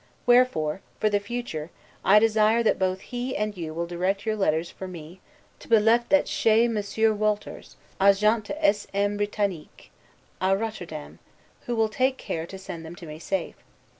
Wherefore, for the future, I desire, that both he and you will direct your letters for me, to be left ches Monsieur Wolters, Agent de S. M. Britanique, a Rotterdam, who will take care to send them to me safe.